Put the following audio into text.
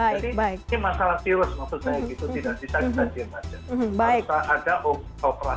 ini masalah virus maksud saya